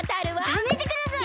やめてください！